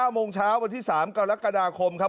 โมงเช้าวันที่๓กรกฎาคมครับ